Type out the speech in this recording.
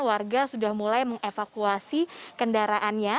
warga sudah mulai mengevakuasi kendaraannya